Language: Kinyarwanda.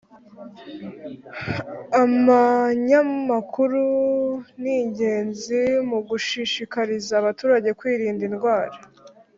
Amanyamakuru ni ingenzi mugushishikariza abaturage kwirinda indwara